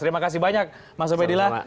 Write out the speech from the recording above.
terima kasih banyak mas ubedillah